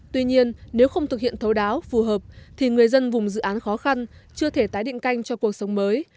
tuy nhiên nếu không thực hiện thấu đáo phù hợp thì người dân vùng dự án khó khăn chưa thể tái định canh cho cuộc sống mới